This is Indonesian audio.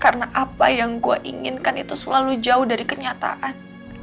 karena apa yang gue inginkan itu selalu jauh dari kenyataan